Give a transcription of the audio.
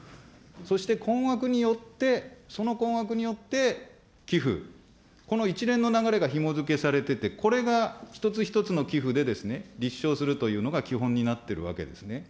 そして、困惑によって、その困惑によって、寄付、この一連の流れがひもづけされてて、これが１つ１つの寄付でですね、立証するというのが、基本になってるわけですね。